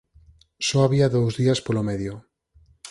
Só había dous días polo medio!